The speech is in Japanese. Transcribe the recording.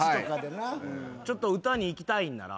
ちょっと歌にいきたいんなら。